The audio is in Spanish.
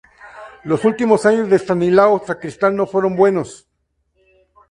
Los últimos años de Estanislao Sacristán no fueron buenos.